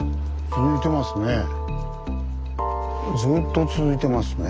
ずっと続いてますね。